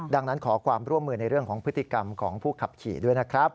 ดังนั้นขอความร่วมมือในเรื่องของพฤติกรรมของผู้ขับขี่ด้วยนะครับ